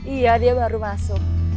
iya dia baru masuk